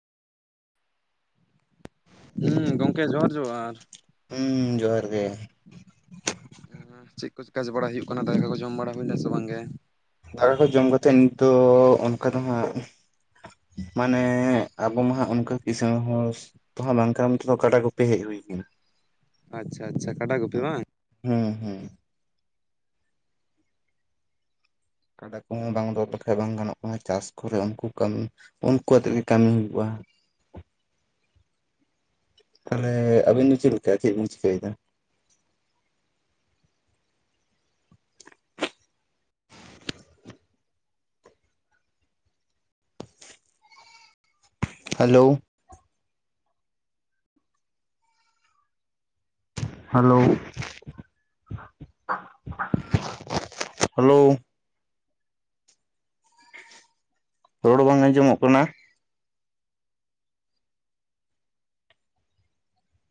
ᱦᱩᱸ ᱜᱚᱝᱠᱮ ᱡᱚᱦᱟᱨ - ᱡᱚᱦᱟᱨ ᱦᱩᱸ ᱡᱚᱦᱟᱨ ᱜᱮ ᱾ ᱪᱮᱜ ᱠᱚ ᱠᱟᱪ ᱵᱟᱲᱟ ᱦᱩᱭᱩᱜ ᱠᱟᱱᱟ᱾ ᱫᱟᱠᱟ ᱠᱚ ᱡᱚᱢ ᱵᱟᱲᱟ ᱦᱩᱭᱱᱟ ᱥᱮ ᱵᱟᱝ ᱜᱮ? ᱫᱟᱠᱟ ᱠᱚ ᱡᱚᱢ ᱠᱟᱛᱮ ᱱᱤᱛᱚᱜ ᱚᱱᱠᱟ ᱫᱚ ᱦᱟᱜᱼᱼᱼ ᱢᱟᱱᱮ ᱟᱵᱚ ᱢᱟᱦᱟᱜ ᱚᱱᱠᱟ ᱠᱤᱥᱟᱹᱬ ᱦᱚᱸᱲᱼᱼᱼ ᱛᱚ ᱦᱟᱸᱜ ᱵᱟᱝᱠᱷᱟᱱ ᱛᱚ ᱠᱟᱺᱰᱟ ᱜᱩᱯᱤ ᱦᱮᱡ ᱦᱩᱭ ᱠᱟᱱᱟ ᱾ ᱟᱪᱪᱷᱟ - ᱟᱪᱪᱷᱟ ᱠᱟᱺᱵᱟ ᱜᱩᱯᱤ ᱵᱟᱝ? ᱦᱩᱸᱻ ᱦᱩᱸᱻ ᱠᱟᱺᱰᱟ ᱠᱚᱦᱚᱸ ᱵᱟᱝ ᱫᱚᱦᱚ ᱞᱮᱠᱷᱟᱡ ᱵᱟᱝ ᱜᱟᱱᱚᱜ ᱠᱟᱱᱟ ᱪᱟᱥ ᱠᱚᱨᱮ ᱩᱝᱠᱩ ᱠᱟᱹᱢᱤᱼᱼᱼ ᱩᱝᱠᱩ ᱟᱛᱮᱜ ᱜᱮ ᱠᱟᱹᱢᱤ ᱦᱩᱭᱩᱜ-ᱟ ᱾ [inaudible] ᱛᱟᱞᱦᱮ ᱟᱵᱤᱱ ᱫᱚ ᱪᱮᱫ ᱞᱮᱠᱟ ᱪᱮᱫ ᱵᱤᱱ ᱪᱤᱠᱟᱹᱭ ᱫᱟ? ᱦᱟᱞᱳ ᱦᱟᱞᱳ ᱦᱟᱞᱳ ᱨᱚᱲ ᱵᱟᱝ ᱟᱸᱡᱚᱢᱚᱜ ᱠᱟᱱᱟ?